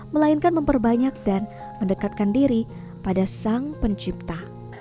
melainkan memperbanyak dan mendekatkan diri pada sang pencipta